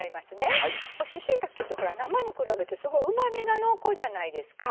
干ししいたけってほら生に比べてすごいうまみが濃厚じゃないですか。